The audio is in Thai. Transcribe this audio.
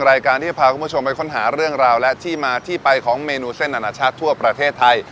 รายการที่จะพาคุณผู้ชมไปค้นหาเรื่องราวและที่มาที่ไปของเมนูเส้นอนาชาติทั่วประเทศไทย